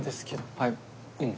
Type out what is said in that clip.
はいうん。